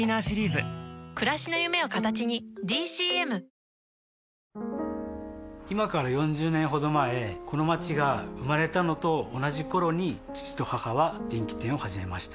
すると、今から４０年ほど前この街が生まれたのと同じ頃に父と母は電器店を始めました